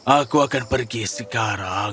aku akan pergi sekarang